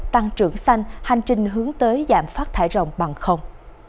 tăng trưởng xanh hành trình hướng tới giảm phát thải rộng bằng không